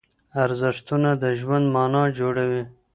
ارزښتونه د ژوند مانا جوړوي.